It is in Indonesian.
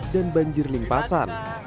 dan banjir limpasan